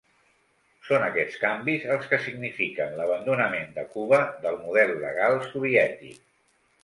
Són aquests canvis els que signifiquen l'abandonament de Cuba del model legal soviètic.